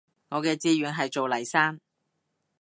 我嘅志願係做黎生